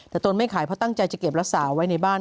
แต่ตนไม่ขายเพราะตั้งใจจะเก็บรักษาไว้ในบ้าน